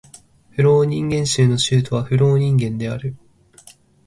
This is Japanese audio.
フローニンゲン州の州都はフローニンゲンである